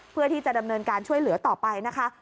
เพื่อที่จะดำเนินการช่วยเหลือต่อไปนะคะ